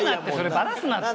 バラすなって！